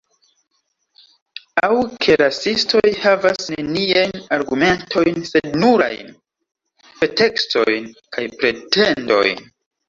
Aŭ ke rasistoj havas neniajn argumentojn, sed nurajn pretekstojn kaj pretendojn.